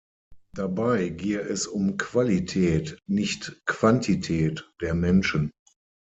Dabei gehe es um Qualität, nicht Quantität der Menschen.